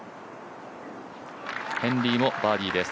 ヘンリーもバーディーです。